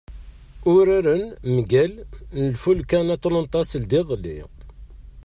Uraren mgal Ifulka n Atlanta sendiḍelli.